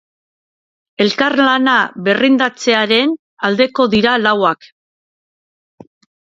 Elkarlana berrindartzearen aldeko dira lauak.